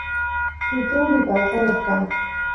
pupumpi paltayoq kan